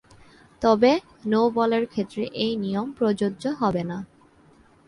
তবে, নো-বলের ক্ষেত্রে এ নিয়ম প্রযোজ্য হবে না।